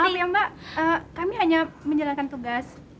betul ya mbak kami hanya menjalankan tugas